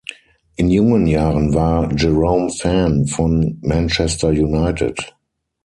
In jungen Jahren war Jerome Fan von Manchester United.